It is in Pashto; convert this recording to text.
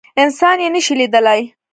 انسان يي نشي لیدلی